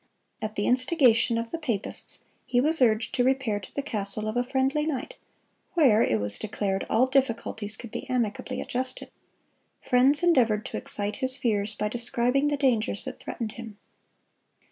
At the instigation of the papists he was urged to repair to the castle of a friendly knight, where, it was declared, all difficulties could be amicably adjusted. Friends endeavored to excite his fears by describing the dangers that threatened him.